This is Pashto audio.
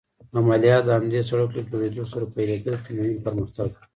عملیات د همدې سړک له جوړېدو سره پيلېدل چې مهم پرمختګ و.